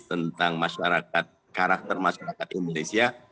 sebagai karakter masyarakat indonesia